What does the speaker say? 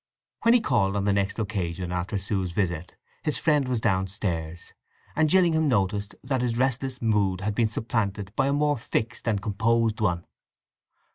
When he called on the next occasion after Sue's visit his friend was downstairs, and Gillingham noticed that his restless mood had been supplanted by a more fixed and composed one.